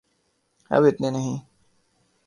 اب اتنے نہیں۔